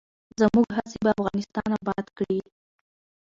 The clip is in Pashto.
زموږ هڅې به افغانستان اباد کړي.